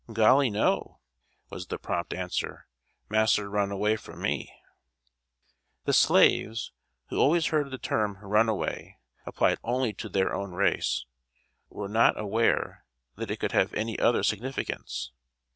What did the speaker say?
"Golly, no!" was the prompt answer, "mass'r run away from me!" The slaves, who always heard the term "runaway" applied only to their own race, were not aware that it could have any other significance.